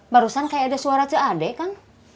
barusan kayak ada suara cak ade kang